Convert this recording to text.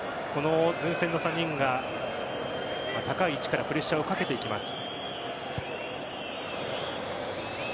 前線の３人が高い位置からプレッシャーをかけていきます。